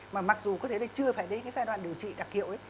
mà mặc dù có thể là chưa phải đến cái giai đoạn điều trị đặc hiệu ấy